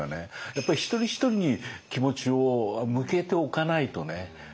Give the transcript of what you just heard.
やっぱりひとりひとりに気持ちを向けておかないとね